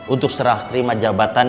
untuk serah terima jabatan